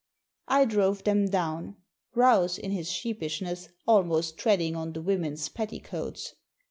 I drove them down ; Rouse, in his sheepishness, almost treading on the women's petticoats.